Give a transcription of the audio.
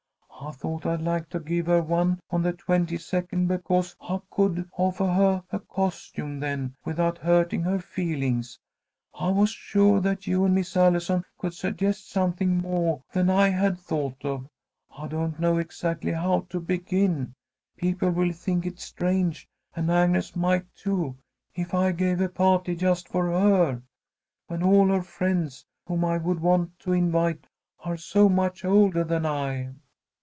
I thought I'd like to give her one on the twenty second, because I could offah her a costume then without hurting her feelings. I was suah that you and Miss Allison could suggest something moah than I had thought of. I don't know exactly how to begin. People will think it strange, and Agnes might, too, if I gave a pah'ty just for her, when all her friends whom I would want to invite are so much oldah than I."